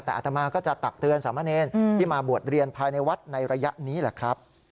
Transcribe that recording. แต่อัตมาก็จะตักเตือนสามเณรที่มาบวชเรียนภายในวัดในระยะนี้แหละครับ